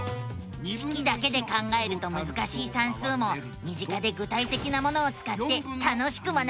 式だけで考えるとむずかしい算数も身近で具体的なものをつかって楽しく学べるのさ！